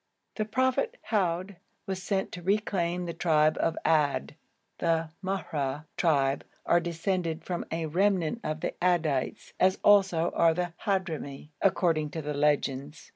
The prophet Houd was sent to reclaim the tribe of Ad. The Mahra tribe are descended from a remnant of the Addites, as also are the Hadhrami, according to the legends.